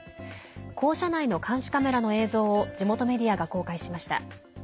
校舎内の監視カメラの映像を地元メディアが公開しました。